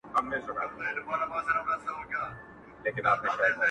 ته دي نظمونه د جانان په شونډو ورنګوه -